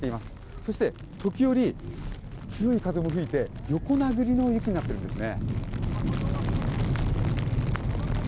そして、時折強い風も吹いて横殴りの雪になっているんですね。